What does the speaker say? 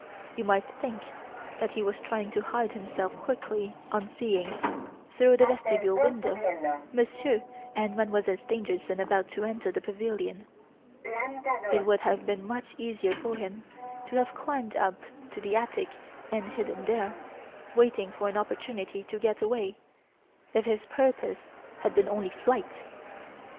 "You might think that he was trying to hide himself quickly on seeing, through the vestibule window, Monsieur and Mademoiselle Stangerson about to enter the pavilion. It would have been much easier for him to have climbed up to the attic and hidden there, waiting for an opportunity to get away, if his purpose had been only flight.